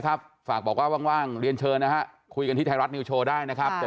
ครับฝากบอกว่าว่างเรียนเชิญนะฮะคุยกันมาได้นะครับจะ